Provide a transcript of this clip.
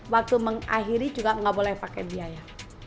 waktu mengakhiri juga nggak boleh pakai biaya